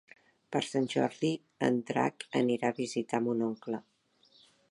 Per Sant Jordi en Drac anirà a visitar mon oncle.